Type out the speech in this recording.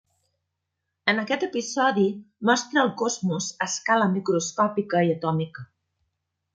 En aquest episodi mostra el cosmos a escala microscòpica i atòmica.